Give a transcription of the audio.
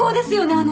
あの。